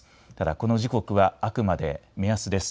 この時刻はあくまで目安です。